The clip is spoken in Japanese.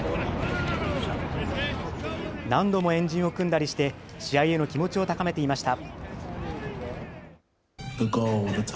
何度も円陣を組んだりして、試合への気持ちを高めていました。